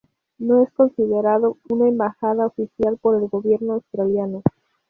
No es considerado una embajada oficial por el gobierno australiano.